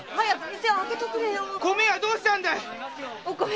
米はどうしたんだ！